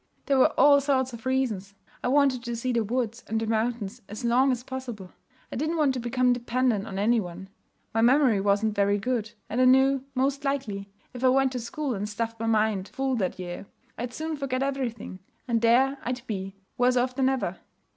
There were all sorts of reasons. I wanted to see the woods and mountains as long as possible. I didn't want to become dependent on any one. My memory wasn't very good; and I knew, most likely, if I went to school and stuffed my mind full that year, I'd soon forget everything, and there I'd be worse off than ever.